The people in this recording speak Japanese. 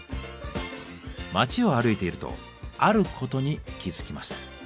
街を歩いているとあることに気付きます。